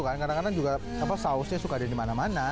kadang kadang juga sausnya suka ada di mana mana